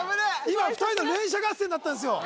今２人の連打合戦だったんですよ